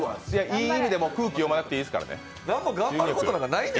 いい意味でも、空気読まなくていいですからね。